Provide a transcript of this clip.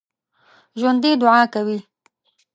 ژوندي دعا کوي